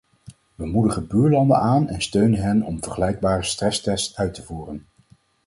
We moedigen buurlanden aan en steunen hen om vergelijkbare stresstests uit te voeren.